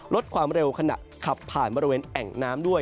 ลดความเร็วขณะขับผ่านบริเวณแอ่งน้ำด้วย